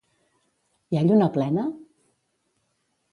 Hi ha lluna plena?